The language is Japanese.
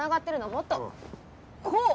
もっとこう！